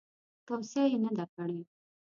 توصیه یې نه ده کړې.